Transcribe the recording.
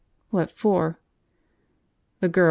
"What for?" "The girl.